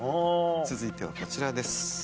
続いてはこちらです。